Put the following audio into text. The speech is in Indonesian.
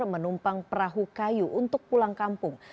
menumpang perahu kayu untuk pulang kampung